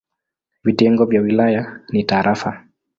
Vitengo vya wilaya ni tarafa.